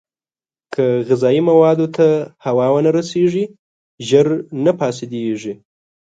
که غذايي موادو ته هوا ونه رسېږي، ژر نه فاسېدېږي.